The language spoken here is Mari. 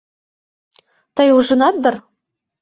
Тый ужынат дыр?